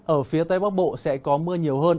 ở phía tây bắc bộ sẽ có mưa nhiều hơn